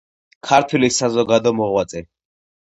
ქართველი საზოგადო მოღვაწე.